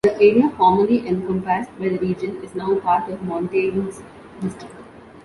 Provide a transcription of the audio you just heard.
The area formerly encompassed by the region is now part of Montagnes District.